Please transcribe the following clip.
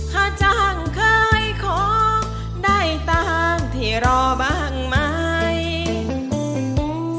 ข้าจังเคยขอได้ตามที่รอบ้างไหม